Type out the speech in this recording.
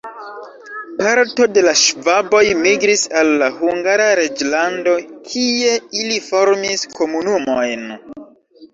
Parto de la ŝvaboj migris al la Hungara reĝlando, kie ili formis komunumojn.